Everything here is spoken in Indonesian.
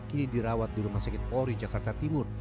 kini dirawat di rumah sakit polri jakarta timur